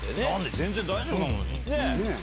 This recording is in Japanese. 全然大丈夫なのに。